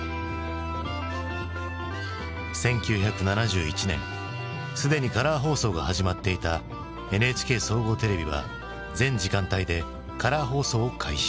１９７１年すでにカラー放送が始まっていたＮＨＫ総合テレビは全時間帯でカラー放送を開始。